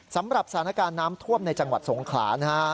สำหรับสถานการณ์น้ำท่วมในจังหวัดสงขลานะฮะ